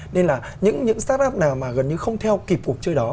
nên là những startup nào mà gần như không theo kịp cuộc chơi đó